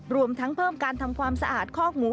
รวมทั้งเพิ่มการทำความสะอาดคอกหมู